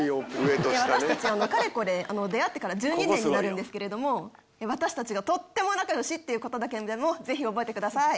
私たちかれこれ出会ってから１２年になるんですけれども私たちがとっても仲良しっていうことだけでもぜひ覚えてください。